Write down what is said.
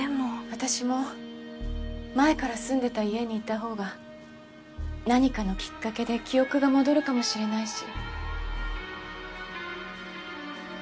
私も前から住んでた家にいた方が何かのきっかけで記憶が戻るかもしれないし。